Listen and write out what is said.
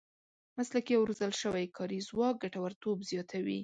مسلکي او روزل شوی کاري ځواک ګټورتوب زیاتوي.